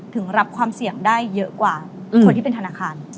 ถึงรับความเสี่ยงได้เยอะกว่าคนที่เป็นธนาคาร